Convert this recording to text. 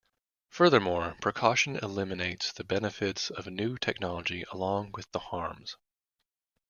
Furthermore, precaution eliminates the benefits of new technology along with the harms.